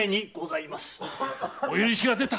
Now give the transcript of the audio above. お許しが出た。